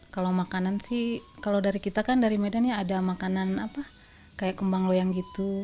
kalau makanan sih kalau dari kita kan dari medan ya ada makanan apa kayak kembang loyang gitu